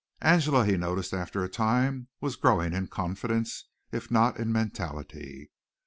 Angela, he noticed after a time, was growing in confidence, if not in mentality.